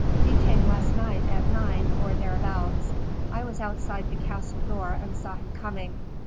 "He came last night at nine or thereabouts. I was outside the castle door and saw him coming.